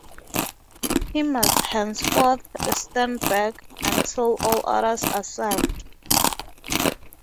He must henceforth stand back until all others are served.